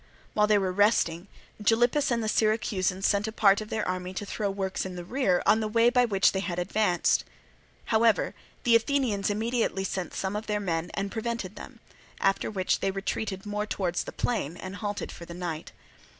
While they were resting, Gylippus and the Syracusans sent a part of their army to throw up works in their rear on the way by which they had advanced; however, the Athenians immediately sent some of their men and prevented them; after which they retreated more towards the plain and halted for the night.